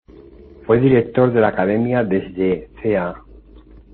Fue director de la Academia desde ca.